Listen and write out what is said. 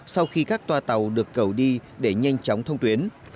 sau khi các toa tàu được cầu đi để nhanh chóng thông tuyến